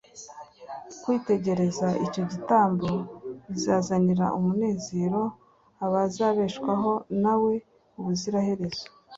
Kwitegereza icyo gitambo, bizazanira umunezero abazabeshwaho na we ubuzira herezo.